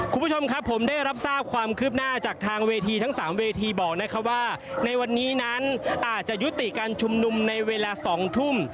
คุณผู้ชมครับผมได้รับทราบความคืบหน้าจากทางเวทีทั้ง๓เวทีบอกนะครับว่าในวันนี้นั้นอาจจะยุติการชุมนุมในเวลา๒ทุ่ม